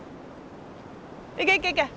行け行け行け。